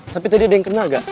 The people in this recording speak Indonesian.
tapi tadi ada yang kena gak